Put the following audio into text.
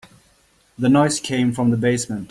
The noise came from the basement.